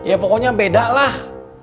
ya pokoknya bedalah